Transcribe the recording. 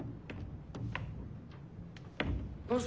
どうぞ。